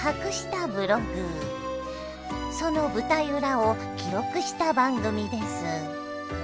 その舞台裏を記録した番組です。